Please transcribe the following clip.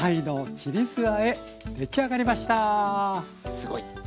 すごい。